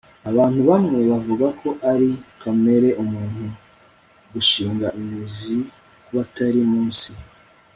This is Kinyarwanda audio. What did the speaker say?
abantu bamwe bavuga ko ari kamere muntu gushinga imizi kubatari munsi